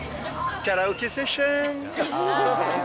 カラオケセッション。